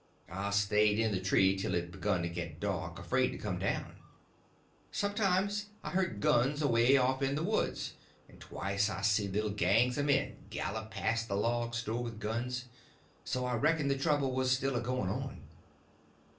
I stayed in the tree till it begun to get dark, afraid to come down. Sometimes I heard guns away off in the woods; and twice I seen little gangs of men gallop past the log store with guns; so I reckoned the trouble was still a going on.